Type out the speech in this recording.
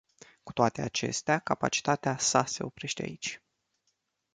Cu toate acestea, capacitatea sa se oprește aici.